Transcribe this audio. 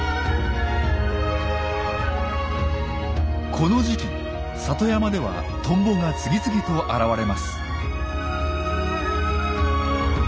この時期里山ではトンボが次々と現れます。